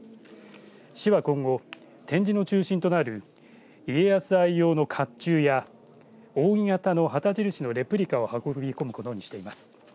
市は今後、展示の中心となる家康愛用のかっちゅうや扇形の旗印のレプリカを運び込むことにしています。